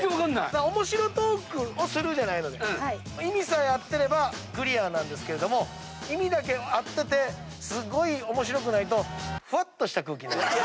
面白トークをするじゃないので意味さえ合ってればクリアなんですけれども意味だけ合っててすごい面白くないとふわっとした空気になります。